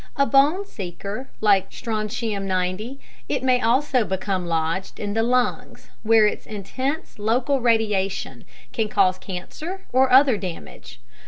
A bone seeker like strontium 90, it may also become lodged in the lungs, where its intense local radiation can cause cancer or other damage.